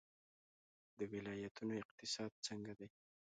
د ولایتونو اقتصاد څنګه دی؟